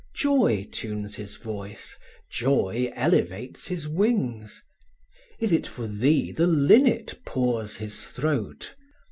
Joy tunes his voice, joy elevates his wings. Is it for thee the linnet pours his throat?